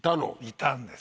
いたんです。